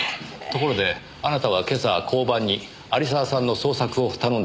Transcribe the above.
ところであなたは今朝交番に有沢さんの捜索を頼んでいますね。